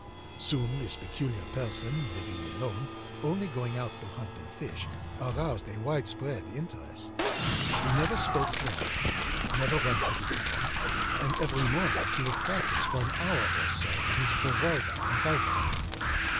âSoon this peculiar person, living alone, only going out to hunt and fish, aroused a widespread interest. He never spoke to any one, never went to the town, and every morning he would practice for an hour or so with his revolver and rifle.